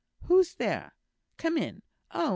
"Who's there? Come in! Oh!